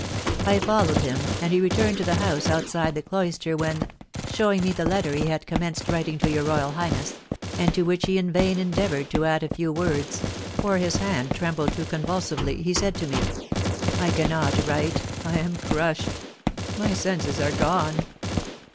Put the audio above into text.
I followed him, and he returned to the house outside the cloister, when, showing me the letter he had commenced writing to your royal highness, and to which he in vain endeavoured to add a few words, for his hand trembled too convulsively, he said to me, "I cannot write! I am crushed! My senses are gone!